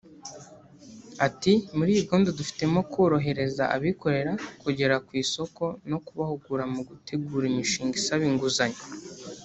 Ati “Muri iyi gahunda dufitemo korohereza abikorera kugera ku isoko no kubahugura mu gutegura imishinga isaba inguzanyo